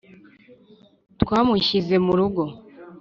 twamushyize mu rugo.